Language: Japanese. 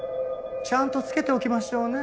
ちゃんとつけておきましょうね。